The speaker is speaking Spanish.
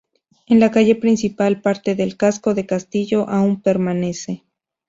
En la calle principal parte del casco del castillo aún permanece.